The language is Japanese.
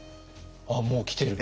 ああもう来てる。